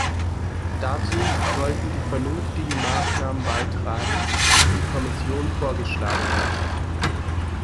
Dazu sollten die vernünftigen Maßnahmen beitragen, die die Kommission vorgeschlagen hat.